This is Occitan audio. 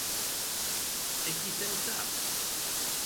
E qui se’n sap?